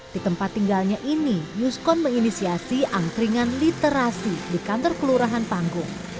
di tempat tinggalnya ini yuskon menginisiasi angkringan literasi di kantor kelurahan panggung